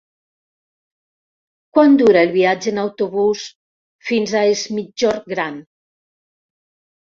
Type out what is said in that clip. Quant dura el viatge en autobús fins a Es Migjorn Gran?